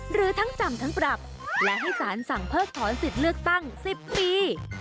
หรือทั้งจำทั้งปรับและให้สารสั่งเพิกถอนสิทธิ์เลือกตั้ง๑๐ปี